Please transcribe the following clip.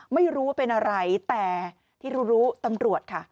ไม่รู้ว่าเป็นอะไรแต่ที่รู้รู้ตำรวจค่ะ